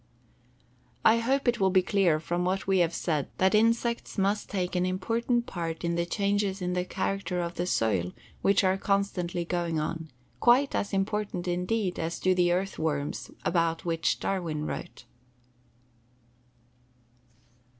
I hope it will be clear from what we have said that insects must take an important part in the changes in the character of the soil which are constantly going on, quite as important indeed as do the earthworms about which Darwin wrote.